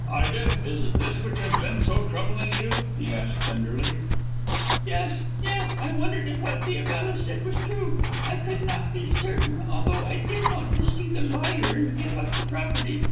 "Ida, is it this which has been so troubling you?" he asked tenderly. "Yes! Yes! I wondered if what Diabella said was true. I could not be certain, although I did want to see the lawyer and give up the property.